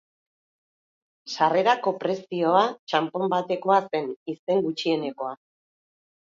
Sarrerako prezioa, txanpon batekoa zen, izen gutxienekoa.